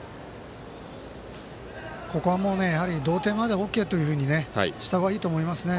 ここは同点までＯＫというふうにしたほうがいいと思いますね。